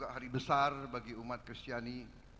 hari besar bagi umat kristiani